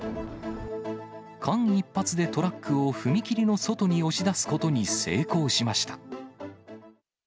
間一髪でトラックを踏切の外に押し出すことに成功しました。